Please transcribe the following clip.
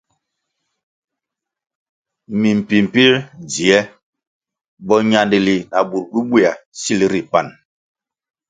Mi mpimpier dzie bo ñandili na bur bubuéa sil ri pan.